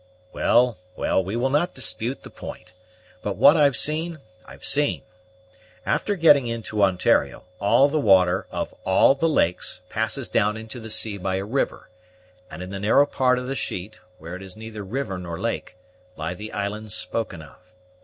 "Well, well, we will not dispute the point; but what I've seen I've seen. After getting into Ontario, all the water of all the lakes passes down into the sea by a river; and in the narrow part of the sheet, where it is neither river nor lake, lie the islands spoken of.